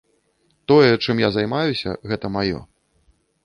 Тое, чым я займаюся, гэта маё.